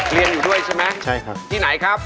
เรียนอยู่ด้วยใช่ไหมที่ไหนครับใช่ครับ